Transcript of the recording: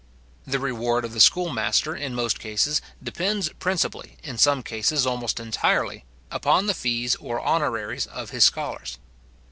The reward of the schoolmaster, in most cases, depends principally, in some cases almost entirely, upon the fees or honoraries of his scholars.